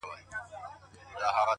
o زما گراني مهرباني گلي ؛